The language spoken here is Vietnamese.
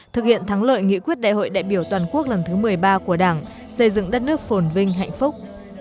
thực hiện thắng lợi nghị quyết đại hội đại biểu toàn quốc lần thứ một mươi ba của đảng xây dựng đất nước phồn vinh hạnh phúc